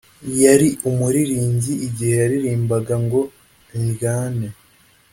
yari umuririmbyi igihe yaririmbaga ngo ndyame.